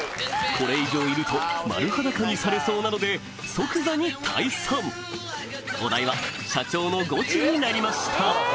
これ以上いると丸裸にされそうなので即座に退散お代は社長のゴチになりました